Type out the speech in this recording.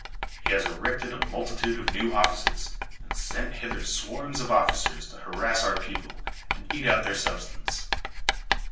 " He has erected a multitude of new offices, and sent hither swarms of officers to harass our people, and eat out their sub stance.